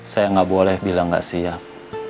saya gak boleh bilang gak siap